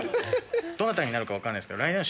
どなたになるか分からないですけど来年の。